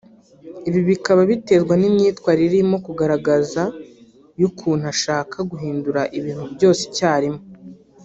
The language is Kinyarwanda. Ibi bikaba biterwa n’imyitwarire arimo kugaragaza y’ukuntu ashaka guhindura ibintu byose icyarimwe